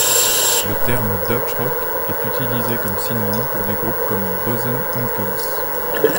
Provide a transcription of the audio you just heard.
Le terme Deutschrock est utilisé comme synonyme pour des groupes comme Böhsen Onkelz.